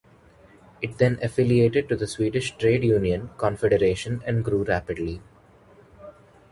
It then affiliated to the Swedish Trade Union Confederation and grew rapidly.